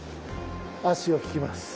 足を引きます。